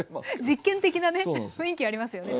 実験的なね雰囲気ありますよね